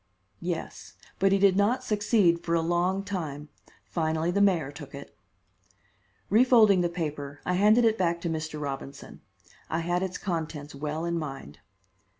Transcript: "Yes, but he did not succeed for a long time. Finally the mayor took it." Refolding the paper, I handed it back to Mr. Robinson. I had its contents well in mind.